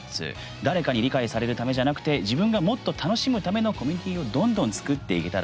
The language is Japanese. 誰かに理解されるためじゃなくて自分がもっと楽しむためのコミュニティをどんどん作っていけたら